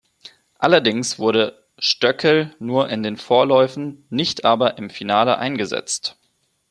Allerdings wurde Stoeckel nur in den Vorläufen, nicht aber im Finale eingesetzt.